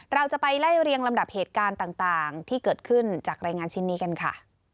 เราจะไปไล่เรียงลำดับเหตุการณ์ต่างที่เกิดขึ้นจากรายงานชิ้นนี้กันค่ะ